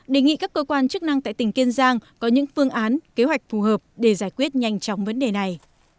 đề nghị các cơ quan chức năng tại tỉnh kiên giang có những phương án kế hoạch phù hợp để giải quyết nhanh chóng vấn đề này